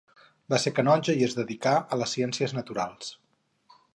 Va ser canonge i es dedicà a les ciències naturals.